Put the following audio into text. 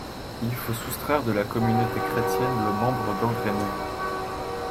Il faut soustraire de la communauté chrétienne le membre gangrené.